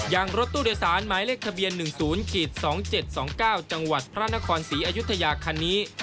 รถตู้โดยสารหมายเลขทะเบียน๑๐๒๗๒๙จังหวัดพระนครศรีอยุธยาคันนี้